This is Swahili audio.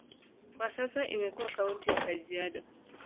Kwa sasa imekuwa kaunti ya Kajiado.